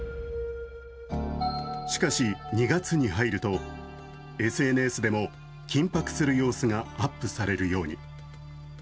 しかし、２月に入るとＳＮＳでも緊迫する様子がアップされるように。